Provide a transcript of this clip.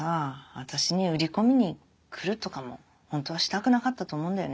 私に売り込みに来るとかもホントはしたくなかったと思うんだよね。